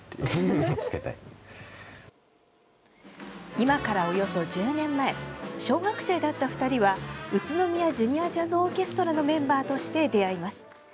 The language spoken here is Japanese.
今からおよそ１０年前小学生だった２人は「うつのみやジュニアジャズオーケストラ」のメンバーとして出会います。